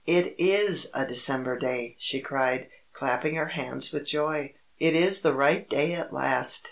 "It IS a December day!" she cried, clapping her hands with joy. "It is the right day at last!"